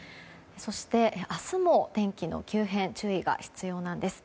そして、明日も天気の急変に注意が必要なんです。